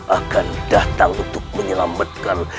akan datang untuk menyelamatkan